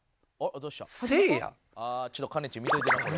「あちょっとかねちー見ておいてなこれ」